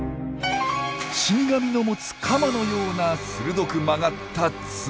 死神の持つカマのような鋭く曲がった爪。